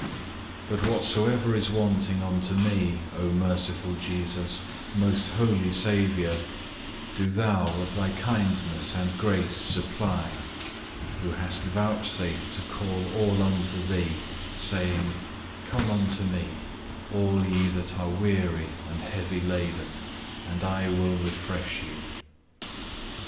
But whatsoever is wanting unto me, O merciful Jesus, Most Holy Saviour, do Thou of Thy kindness and grace supply, who hast vouchsafed to call all unto Thee, saying, Come unto me, all ye that are weary and heavy laden, and I will refresh you.